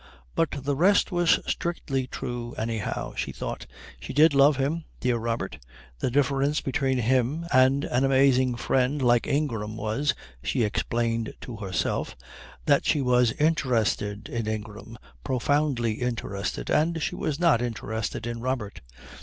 But the rest was strictly true anyhow, she thought. She did love him dear Robert. The difference between him and an amazing friend like Ingram was, she explained to herself, that she was interested in Ingram, profoundly interested, and she was not interested in Robert.